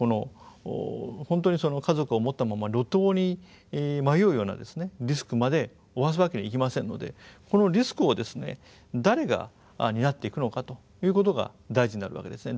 本当に家族を持ったまま路頭に迷うようなリスクまで負わすわけにいきませんのでこのリスクを誰が担っていくのかということが大事になるわけですね。